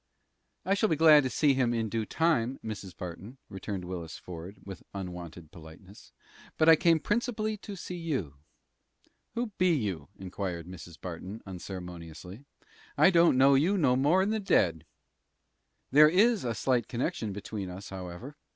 "I shall be glad to see him in due time, Mrs. Barton," returned Willis Ford, with unwonted politeness; "but I came principally to see you." "Who be you?" inquired Mrs. Barton, unceremoniously; "I don't know you no more'n the dead." "There is a slight connection between us, however.